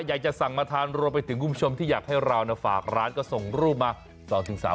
อยากจะสั่งมาทานรวมไปถึงคุณผู้ชมที่อยากให้เราฝากร้านก็ส่งรูปมา๒๓